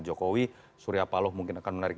jokowi suryapalo mungkin akan menarik